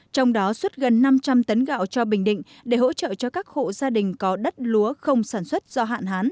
trong đó xuất gần năm trăm linh tấn gạo cho bình định để hỗ trợ cho các hộ gia đình có đất lúa không sản xuất do hạn hán